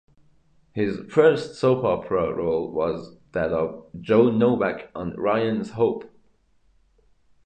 His first soap opera role was that of Joe Novak on "Ryan's Hope".